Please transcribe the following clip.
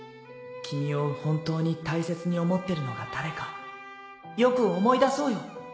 君を本当に大切に思ってるのが誰かよく思い出そうよ。